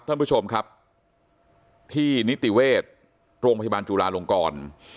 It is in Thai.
ท่านผู้ชมครับที่นิติเวชโรงพยาบาลจุลาลงกร